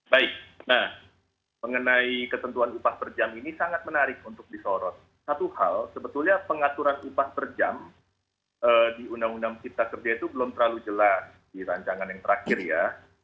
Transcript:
baik nah mengenai ketentuan upah per jam ini sangat menarik untuk disorot satu hal sebetulnya pengaturan upah per jam di undang undang cipta kerja itu belum terlalu jelas di rancangan yang terakhir ya